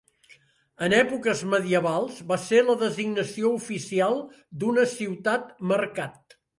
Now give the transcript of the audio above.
En èpoques medievals va ser la designació oficial d'una ciutat-mercat.